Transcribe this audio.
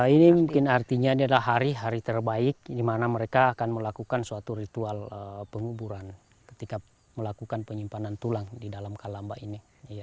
ini mungkin artinya ini adalah hari hari terbaik di mana mereka akan melakukan suatu ritual penguburan ketika melakukan penyimpanan tulang di dalam kalamba ini